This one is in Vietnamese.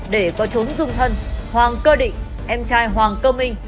để có trốn dung thân hoàng cơ định em trai hoàng cơ minh